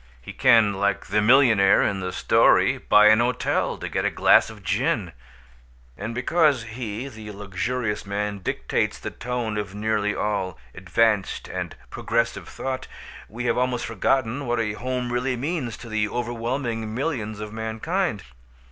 He can (like the millionaire in the story) buy an hotel to get a glass of gin. And because he, the luxurious man, dictates the tone of nearly all "advanced" and "progressive" thought, we have almost forgotten what a home really means to the overwhelming millions of mankind.